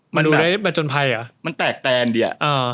มันดูได้ประจนภัยอ่ะมันแตกแทนดีอ่ะอ่า